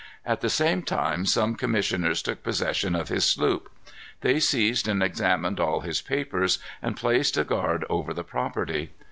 At the same time some commissioners took possession of his sloop. They seized and examined all his papers, and placed a guard over the property.